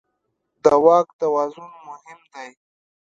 د واک توازن مهم دی.